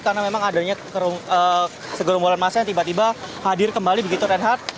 karena memang adanya segerung bulan masa yang tiba tiba hadir kembali begitu renhardt